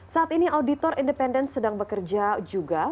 saat ini auditor independen sedang bekerja juga